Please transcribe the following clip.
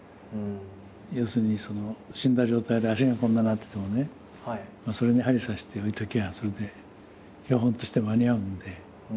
要するに死んだ状態で脚がこんななっててもねそれに針刺して置いときゃそれで標本として間に合うので。